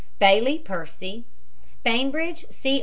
BAILEY, PERCY. BAINBRIDGE, C.